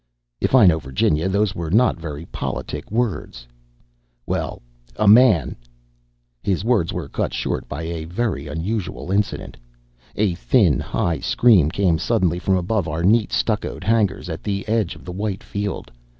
'" "If I know Virginia, those were not very politic words." "Well, a man "His words were cut short by a very unusual incident. A thin, high scream came suddenly from above our neat stuccoed hangars at the edge of the white field.